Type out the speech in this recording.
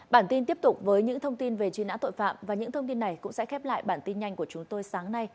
bản tin tiếp tục với những thông tin về truy nã tội phạm và những thông tin này cũng sẽ khép lại bản tin nhanh của chúng tôi sáng nay